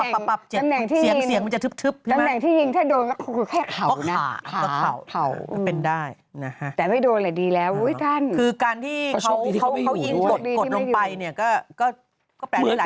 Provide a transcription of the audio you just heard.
ก็น่าจะรู้ได้ด้วยว่าไม่มีใครนั่งในรถ